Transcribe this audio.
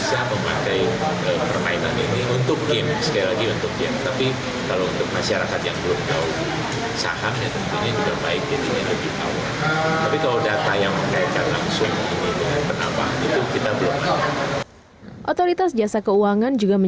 tapi bahwa permainan ini dilakukan di galeri galeri berguruan tinggi